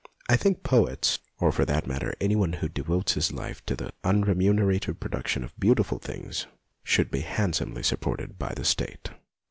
I think poets, or for that matter any one who devotes his life to the unremunerative production of beau tiful things, should be handsomely supported by the State.